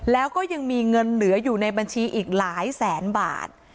แล้วก็ยังมีเงินเหลืออยู่ในบัญชีอีกหลายแสนบาท